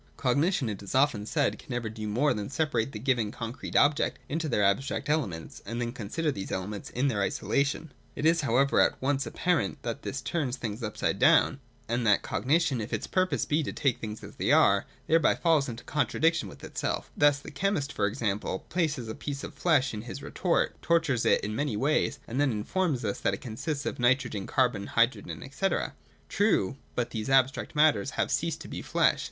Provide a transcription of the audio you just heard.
Cognition, it is often said, can never do more than separate the given concrete objects into their abstract elements, and then con sider these elements in their isolation. It is, however, at once apparent that this turns things upside down, and that cognition, if its purpose be to take things as they are, thereby falls into contradiction with itself Thus the chemist e.g. places a piece of flesh in his retort, tortures it in many ways, and then informs us that it consists of nitrogen, carbon, hydrogen, &c. True : but these abstract matters have ceased to be flesh.